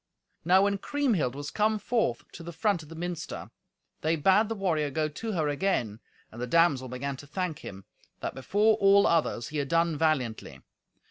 Now when Kriemhild was come forth to the front of the minster, they bade the warrior go to her again, and the damsel began to thank him, that before all others he had done valiantly.